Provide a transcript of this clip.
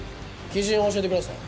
基準を教えてください。